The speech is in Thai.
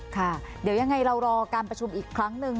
ค่ะเดี๋ยวยังไงเรารอการประชุมอีกครั้งหนึ่ง